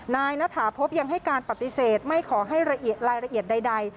นายณถาพบยังให้การปฏิเสธไม่ขอให้รายละเอียดใด